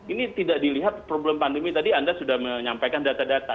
ini tidak dilihat problem pandemi tadi anda sudah menyampaikan data data